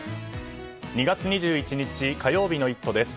２月２１日火曜日の「イット！」です。